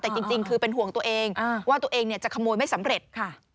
แต่จริงคือเป็นห่วงตัวเองว่าตัวเองจะขโมยไม่สำเร็จ